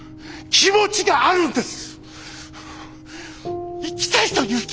気持ちがあるんです！